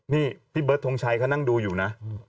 นี่พี่เบิร์ดทงชัยเขานั่งดูอยู่นะ